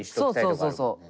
そうそうそうそう。